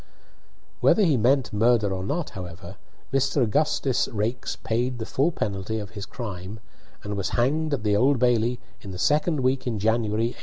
Whether he meant murder or not, however, Mr. Augustus Raikes paid the full penalty of his crime, and was hanged at the Old Bailey in the second week in January, 1857.